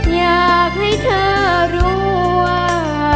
อยากให้เธอรู้ว่า